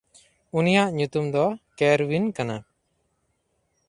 ᱩᱱᱤᱭᱟᱜ ᱧᱩᱛᱩᱢ ᱫᱚ ᱠᱮᱨᱶᱤᱱ ᱠᱟᱱᱟ᱾